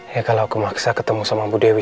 ya kalau aku maksa ketemu sama bu dewi